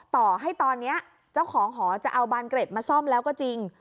ต่อให้ตอนนี้เจ้าของหอจะเอาบานเกร็ดมาซ่อมแล้วก็จริง